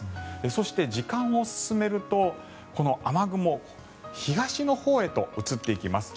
そして、時間を進めるとこの雨雲東のほうへと移っていきます。